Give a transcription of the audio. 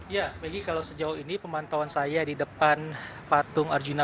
ya maggie kalau sejauh ini pemantauan saya di depan patung arjuna